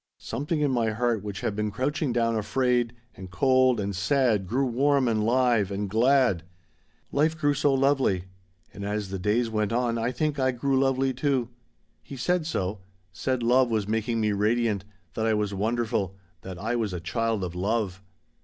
Something in my heart which had been crouching down afraid and cold and sad grew warm and live and glad. Life grew so lovely; and as the days went on I think I grew lovely too. He said so; said love was making me radiant that I was wonderful that I was a child of love.